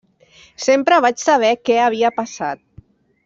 Sempre vaig saber què havia passat.